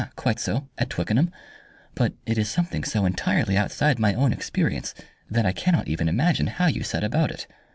"Quite so at Twickenham. But it is something so entirely outside my own experience that I cannot even imagine how you set about it.